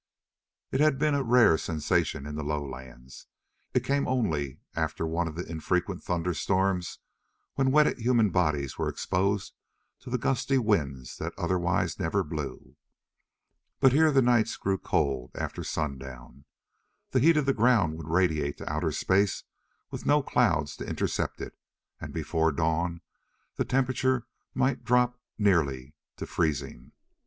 It had been a rare sensation in the lowlands. It came only after one of the infrequent thunderstorms, when wetted human bodies were exposed to the gusty winds that otherwise never blew. But here the nights grew cold after sundown. The heat of the ground would radiate to outer space with no clouds to intercept it, and before dawn the temperature might drop nearly to freezing.